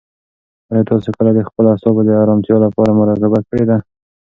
آیا تاسو کله د خپلو اعصابو د ارامتیا لپاره مراقبه کړې ده؟